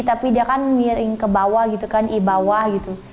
tapi dia kan miring ke bawah gitu kan i bawah gitu